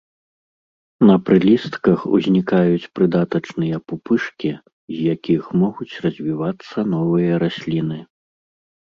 На прылістках узнікаюць прыдатачныя пупышкі, з якіх могуць развівацца новыя расліны.